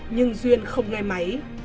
nhưng duyên không nghe máy